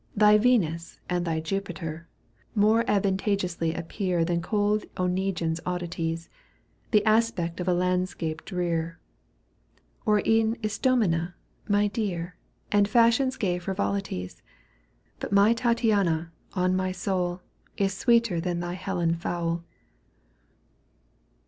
Thy Venus and thy Jupiter, More advantageously appear Than cold Oneguine's oddities, The aspect of a landscape drear. Or e'en Ist6mina, my dear. And fashion's gay frivolities ; But my Tattiana, on my soul. Is sweeter than thy Helen foul.